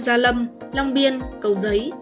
gia lâm long biên cầu giấy